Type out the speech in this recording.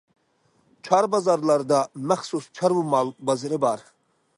چار بازارلاردا مەخسۇس چارۋا مال بازىرى بار.